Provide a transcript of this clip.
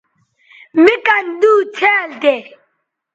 مِ کن دُو څھیال تھے